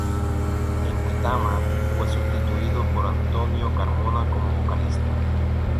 En Ketama fue sustituido por Antonio Carmona como vocalista.